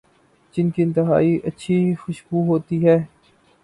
جن کی انتہائی اچھی خوشبو ہوتی ہے